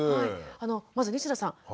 まず西田さん